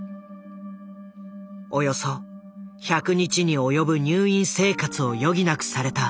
およそ１００日に及ぶ入院生活を余儀なくされた。